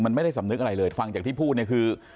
มันไม่ได้สำนึกอะไรเลยฟังจากที่พูดเนี่ยคือ